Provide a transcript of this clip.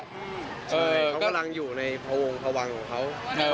ใช่เขากำลังอยู่ในเผาวงเพราะวังของเขา